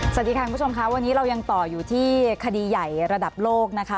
สวัสดีค่ะคุณผู้ชมค่ะวันนี้เรายังต่ออยู่ที่คดีใหญ่ระดับโลกนะคะ